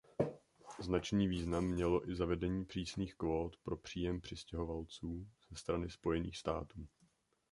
Značný význam mělo i zavedení přísných kvót pro příjem přistěhovalců ze strany Spojených států.